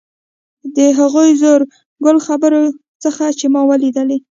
د هغو زرو ګل خبرو څخه چې ما ولیدلې.